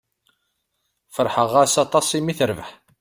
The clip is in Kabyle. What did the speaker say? Feṛḥeɣ-as aṭas i mi terbeḥ.